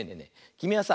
きみはさ